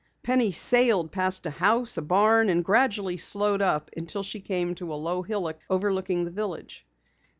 Penny sailed past a house, a barn, and gradually slowed up until she came to a low hillock overlooking the village.